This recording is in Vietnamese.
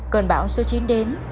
cơn bão số chín đến